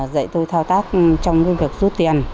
dạy tôi thao tác trong việc rút tiền